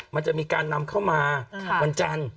มันจะมีการนำเข้ามาวันจันทร์